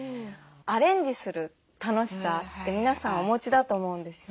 アレンジする楽しさって皆さんお持ちだと思うんですよね。